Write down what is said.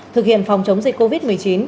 thực hiện phòng chống dịch covid một mươi chín